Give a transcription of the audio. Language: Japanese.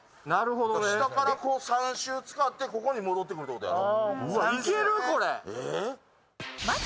下から３周使ってここに戻ってくるってことやろ。